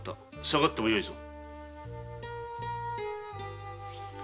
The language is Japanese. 下がってよいぞ。